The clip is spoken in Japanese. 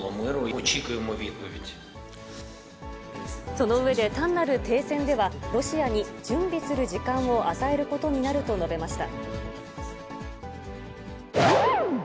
その上で、単なる停戦ではロシアに準備する時間を与えることになると述べました。